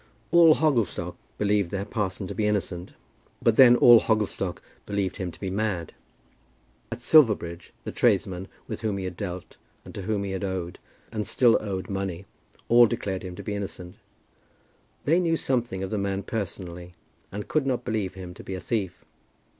All Hogglestock believed their parson to be innocent; but then all Hogglestock believed him to be mad. At Silverbridge the tradesmen with whom he had dealt, and to whom he had owed, and still owed, money, all declared him to be innocent. They knew something of the man personally, and could not believe him to be a thief.